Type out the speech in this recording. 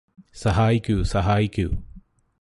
സഹായിക്കൂ സഹായിക്കൂ